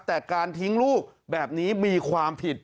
แต่การทิ้งลูกแบบนี้มีความผิด